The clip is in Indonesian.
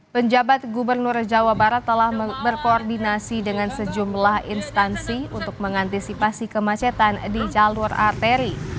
penjabat gubernur jawa barat telah berkoordinasi dengan sejumlah instansi untuk mengantisipasi kemacetan di jalur arteri